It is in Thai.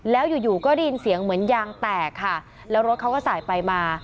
แล้วอยู่อยู่ก็ได้ยินเสียงเหมือนยางแตกค่ะแล้วรถเขาก็สายไปมา